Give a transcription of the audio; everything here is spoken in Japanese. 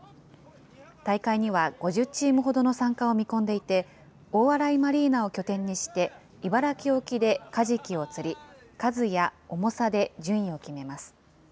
大会には５０チームほどの参加を見込んでいて、大洗マリーナを拠点にして、茨城沖でカジキを釣り、数や重さで順位を決めます。